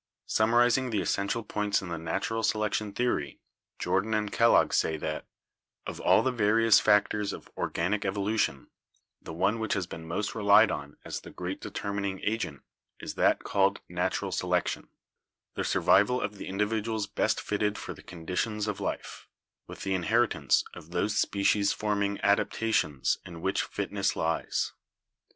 Summarizing the essential points in the natural selection theory, Jordan and Kellogg say that: "Of all the various factors of organic evolution, the one which has been most relied on as the great de termining agent is that called Natural Selection, the sur vival of the individuals best fitted for the conditions of life, with the inheritance of those species forming adap tations in which fitness lies.